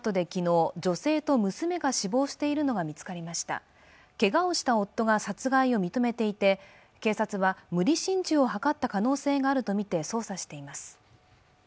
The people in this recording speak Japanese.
けがをした夫が殺害を認めていて、警察は無理心中を図った可能性があるとみて捜査しています。